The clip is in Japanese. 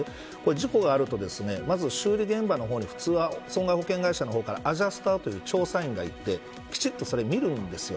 事故があると、まず修理現場に普通は損害保険会社の方からアジャスターという調査員が行ってきちんとそれを見るんです。